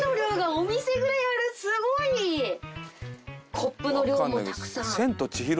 コップの量もたくさん。